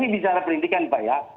ini bicara pendidikan pak ya